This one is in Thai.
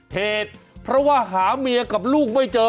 เหตุเพราะว่าหาเมียกับลูกไม่เจอ